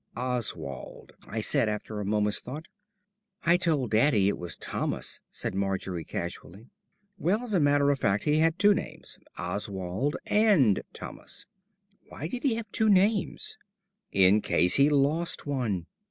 "Oswald," I said after a moment's thought. "I told Daddy it was Thomas," said Margery casually. "Well, as a matter of fact he had two names, Oswald and Thomas." "Why did he have two names?" "In case he lost one.